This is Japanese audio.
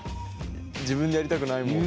自分でやりたくないもん。